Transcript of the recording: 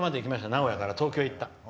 名古屋から東京まで行った。